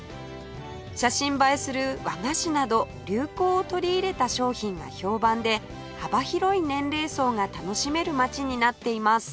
写真映えする和菓子など流行を取り入れた商品が評判で幅広い年齢層が楽しめる街になっています